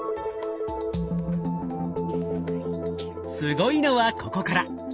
すごいのはここから！